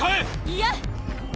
いや！